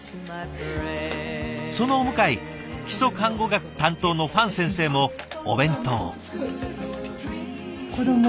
そのお向かい基礎看護学担当の方先生もお弁当。